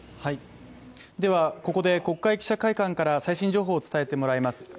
ではここで国会記者会館から最新情報を伝えてもらいます。